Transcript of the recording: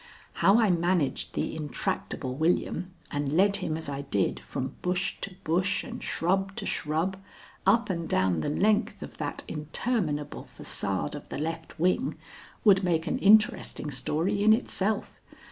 How I managed the intractable William and led him as I did from bush to bush and shrub to shrub, up and down the length of that interminable façade of the left wing, would make an interesting story in itself.